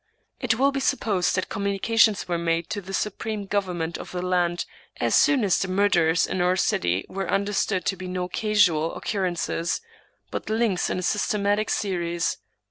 It will be supposed that communications were made to the supreme government of the land as soon as the murders in our city were understood to be no casual occurrences, but links in a systematic series.